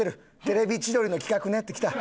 「『テレビ千鳥』の企画ね」って来た。